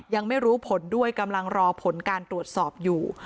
ยังไม่รู้ผลด้วยกำลังรอผลการตรวจสอบอยู่